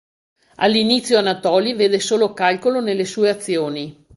All'inizio Anatolij vede solo calcolo nelle sue azioni.